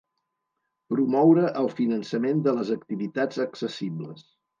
Promoure el finançament de les activitats accessibles.